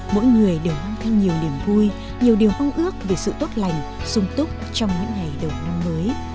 mỗi người đều mang thêm nhiều niềm vui nhiều điều mong ước về sự tốt lành sung túc trong những ngày đầu năm mới